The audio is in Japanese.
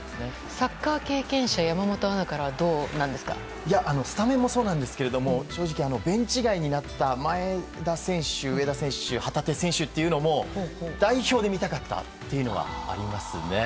サッカー経験者、山本アナかいや、スタメンもそうなんですけれども、正直、ベンチ外になった前田選手、上田選手、旗手選手というのも、代表で見たかったっていうのはありますね。